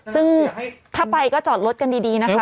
ซึ่งถ้าไปก็จอดรถกันดีนะคะแยกนั้น